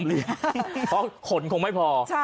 ลำเลียงเพราะขนคงไม่พอ